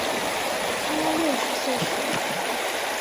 她六十岁时